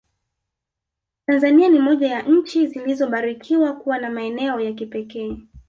Tanzania ni moja ya nchi zilizobarikiwa kuwa na maeneo ya kipekee